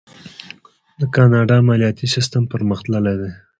د کاناډا مالیاتي سیستم پرمختللی دی.